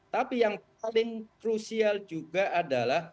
tapi yang paling krusial juga adalah